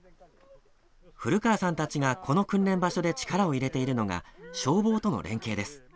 古川さんたちがこの訓練場所で力を入れているのが消防との連携です。